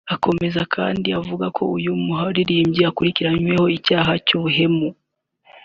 Akomeza kandi avuga ko uyu muririmbyi akurikiranyweho icyaha cy’ ubuhemu